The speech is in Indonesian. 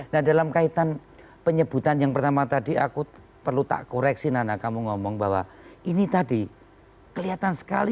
nah dalam kaitan penyebutan yang pertama tadi aku perlu tak koreksi nana kamu ngomong bahwa ini tadi kelihatan sekali